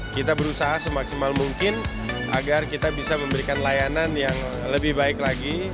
kita berusaha semaksimal mungkin agar kita bisa memberikan layanan yang lebih baik lagi